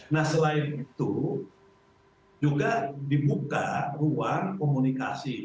nah selain itu juga dibuka ruang komunikasi